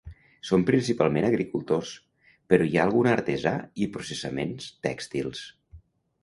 Són principalment agricultors, però hi ha algun artesà i processaments tèxtils.